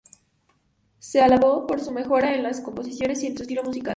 Se alabó por su mejora en las composiciones y en su estilo musical.